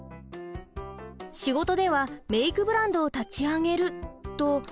仕事ではメイクブランドを立ち上げると。